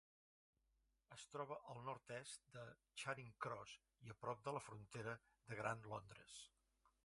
Es troba al nord-est de Charing Cross i a prop de la frontera de Gran Londres.